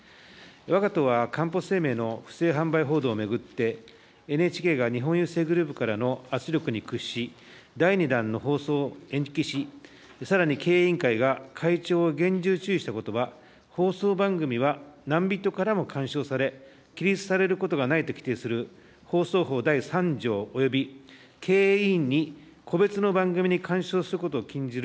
わが党はかんぽ生命の不正販売報道を巡ってＮＨＫが日本郵政グループからの圧力に屈し、第２弾の放送を延期し、さらに経営委員会が会長を厳重注意したことは、放送番組は何人からも干渉され、規律されることがないと規定する放送法第３条および経営委員に個別の番組に干渉することを禁じる